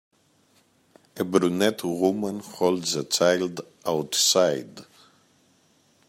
A brunette woman holds a child outside.